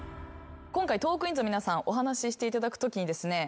今回トークィーンズの皆さんお話ししていただくときに。